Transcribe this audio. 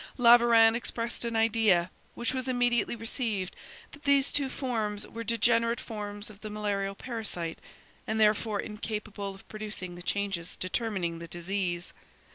Laveran expressed an idea, which was immediately received, that these two forms were degenerate forms of the malarial parasite, and therefore incapable of producing the changes determining the disease.